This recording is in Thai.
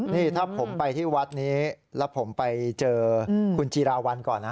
นี่ถ้าผมไปที่วัดนี้แล้วผมไปเจอคุณจีราวัลก่อนนะ